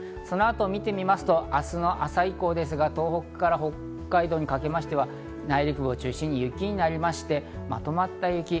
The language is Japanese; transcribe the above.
その後、見てみますと明日の朝以降ですが東北から北海道にかけましては内陸部を中心に雪になりまして、まとまった雪。